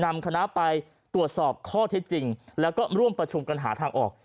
นำคณะไปตรวจสอบข้อเท็จจริงแล้วก็ร่วมประชุมกันหาทางออก